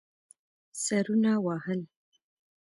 سرونه وهل.